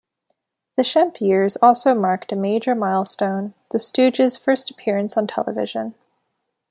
The Shemp years also marked a major milestone: the Stooges' first appearance on television.